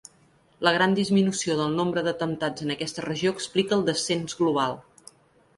La gran disminució del nombre d’atemptats en aquesta regió explica el descens global.